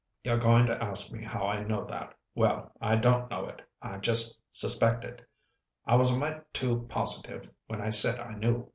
"You're going to ask me how I know that. Well, I don't know it. I just suspect it. I was a mite too positive when I said I knew.